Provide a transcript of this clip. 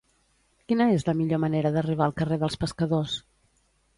Quina és la millor manera d'arribar al carrer dels Pescadors?